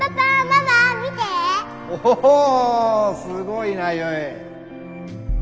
すごいな結！